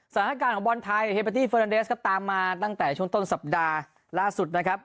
สถานการณ์ของบอลไทยเฮเบอร์ตี้เฟอร์นันเดสครับตามมาตั้งแต่ช่วงต้นสัปดาห์ล่าสุดนะครับ